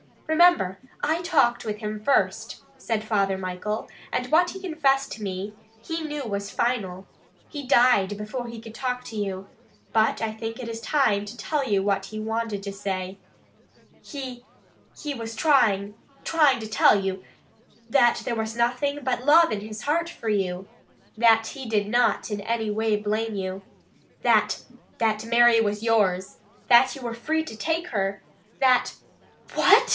"Remember, I talked with him first," said Father Michael, "and what he confessed to me, he knew was final. He died before he could talk to you, but I think it is time to tell you what he wanted to say. He he was trying trying to tell you, that there was nothing but love in his heart for you. That he did not in any way blame you. That that Mary was yours. That you were free to take her. That " "What!"